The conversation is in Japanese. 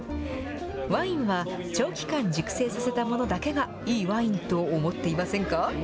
ワインは、長期間熟成させたものだけがいいワインと思っていませんか？